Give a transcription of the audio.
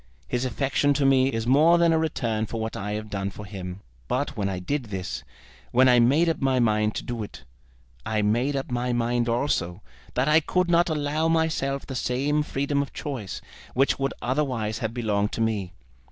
His affection to me is more than a return for what I have done for him. But when I did this, when I made up my mind to do it, I made up my mind also that I could not allow myself the same freedom of choice which would otherwise have belonged to me.